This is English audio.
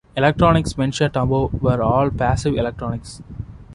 Electronics mentioned above were all passive electronics.